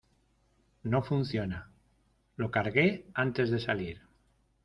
No funciona. Lo cargué antes de salir .